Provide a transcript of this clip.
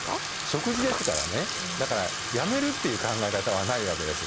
食事ですからねだからやめるっていう考え方はないわけです。